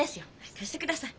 貸してください。